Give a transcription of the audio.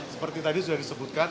seperti tadi sudah disebutkan